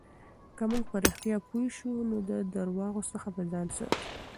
که موږ په رښتیا پوه شو، نو د درواغو څخه به ځان ساتو.